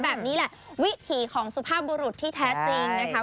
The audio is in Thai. แบบนี้แหละวิถีของสุภาพบุรุษที่แท้จริงนะคะ